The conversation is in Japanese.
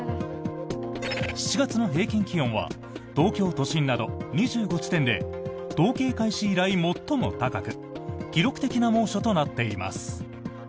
７月の平均気温は東京都心など２５地点で統計開始以来最も高く記録的な猛暑となっています。